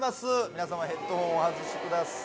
皆様ヘッドホンをお外しください